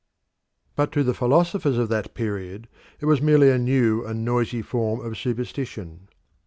But to the philosophers of that period it was merely a new and noisy form of superstition.